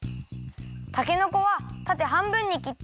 たけのこはたてはんぶんにきったら。